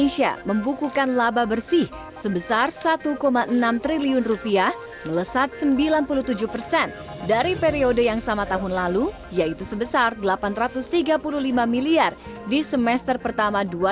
sampai jumpa di video selanjutnya